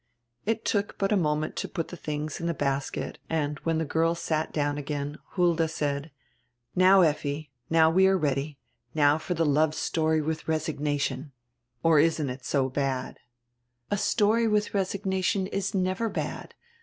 It took but a moment to put die tilings in die basket and, when die girls sat down again, Hulda said: "Now, Effi, now we are ready, now for die love story with resignation. "A story with resignation is never bad.